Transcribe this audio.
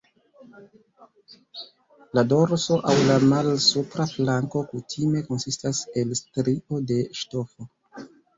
La dorso aŭ la malsupra flanko kutime konsistas el strio de ŝtofo.